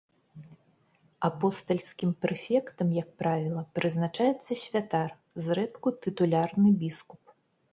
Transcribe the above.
Апостальскім прэфектам, як правіла, прызначаецца святар, зрэдку тытулярны біскуп.